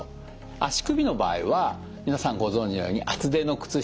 足首の場合は皆さんご存じのように厚手の靴下を履く。